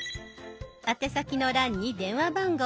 宛先の欄に電話番号。